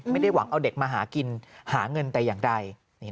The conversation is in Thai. ไม่ได้หวังเอาเด็กมาหากินหาเงินแต่อย่างใด